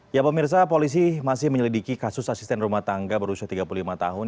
ya pemirsa polisi masih menyelidiki kasus asisten rumah tangga berusia tiga puluh lima tahun